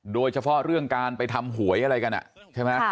โดยเฉพาะเรื่องการไปทำหวยอะไรกันใช่ไหม